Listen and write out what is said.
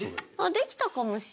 できたかもしれない。